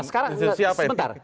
nah sekarang sebentar